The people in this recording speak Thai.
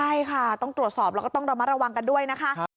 ใช่ค่ะต้องตรวจสอบแล้วก็ต้องระมัดระวังกันด้วยนะคะ